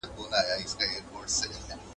زه په استراحت کولو بوخت یم.